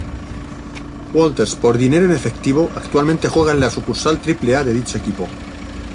Walters por dinero en efectivo, actualmente juega en la sucursal Triple-A de dicho equipo.